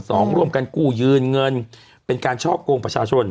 ร่วมกันกู้ยืนเงินเป็นการช่อกงประชาชน